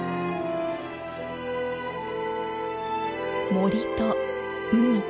森と海。